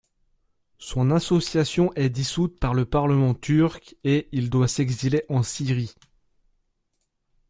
Son association est dissoute par le Parlement turc et il doit s'exiler en Syrie.